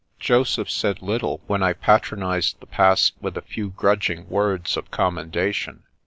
Joseph said little when I patronised the Pass with a few gnidging words of commendation.